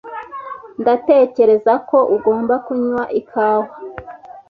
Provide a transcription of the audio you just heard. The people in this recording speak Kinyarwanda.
Ndatekereza ko ugomba kunywa ikawa.